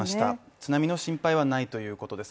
津波の心配はないということです。